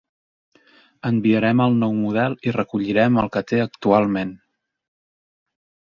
Enviarem el nou model i recollirem el que té actualment.